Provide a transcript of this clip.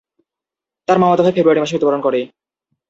তার মামাতো ভাই ফেব্রুয়ারি মাসে মৃত্যুবরণ করে।